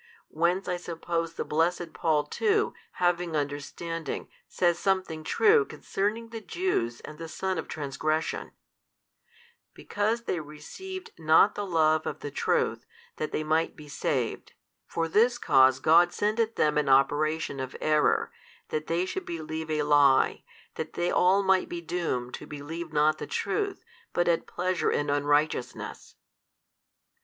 Whence I suppose the blessed Paul too, having understanding, says something true concerning the Jews and the son of transgression, Because they received not the love of the truth, that they might he saved, for this cause God sendeth 3 them an operation of error, that they should believe a lie, that they all might be doomed who believed not the truth, but had pleasure in unrighteousness.